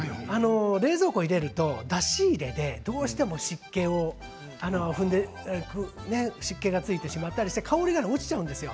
冷蔵庫に入れると出し入れでどうしても湿気がついてしまったりして香りが落ちてしまうんです。